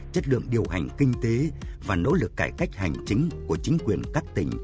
chất lượng điều hành kinh tế và nỗ lực cải cách hành chính của chính quyền các tỉnh